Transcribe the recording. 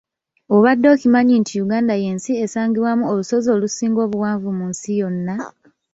Obadde okimanyi nti Uganda y’ensi esangibwaamu olusozi olusinga obuwanvu mu nsi yonna.